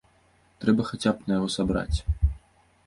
Трэба хаця б на яго сабраць.